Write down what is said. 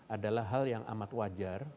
adalah hal yang amat wajar